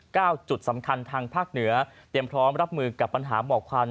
จุดสำคัญทางภาคเหนือเตรียมพร้อมรับมือกับปัญหาหมอกควัน